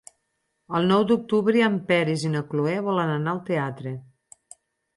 El nou d'octubre en Peris i na Cloè volen anar al teatre.